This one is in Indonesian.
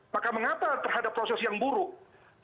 maka mengapa terhadap proses yang buruk